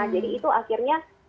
jadi itu akhirnya